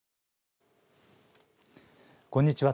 こんにちは。